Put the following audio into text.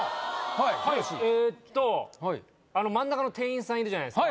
はいえーっとあの真ん中の店員さんいるじゃないっすか